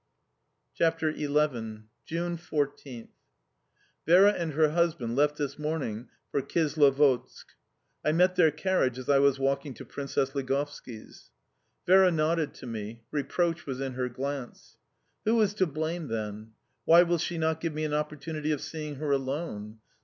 CHAPTER XI. 14th June. VERA and her husband left this morning for Kislovodsk. I met their carriage as I was walking to Princess Ligovski's. Vera nodded to me: reproach was in her glance. Who is to blame, then? Why will she not give me an opportunity of seeing her alone?